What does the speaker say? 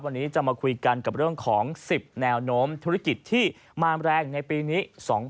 วันนี้จะมาคุยกันกับเรื่องของ๑๐แนวโน้มธุรกิจที่มาแรงในปีนี้๒๐